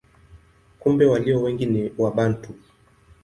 Kumbe walio wengi ni Wabantu.